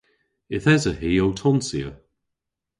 Yth esa hi ow tonsya.